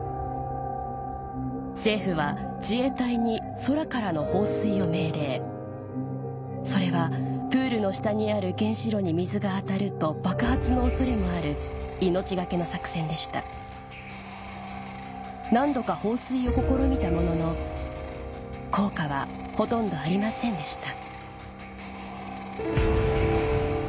政府は自衛隊に空からの放水を命令それはプールの下にある原子炉に水が当たると爆発の恐れもある命懸けの作戦でした何度か放水を試みたものの効果はほとんどありませんでした